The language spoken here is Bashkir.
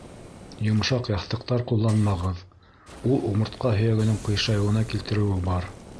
Йомшаҡ яҫтыҡтар ҡулланмағыҙ, ул умыртҡа һөйәгенең ҡыйшайыуына килтереүе бар.